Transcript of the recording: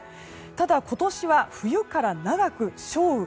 ただ、今年は冬から長く少雨。